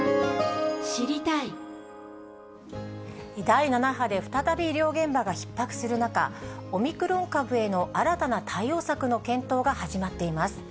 第７波で再び医療現場がひっ迫する中、オミクロン株への新たな対応策の検討が始まっています。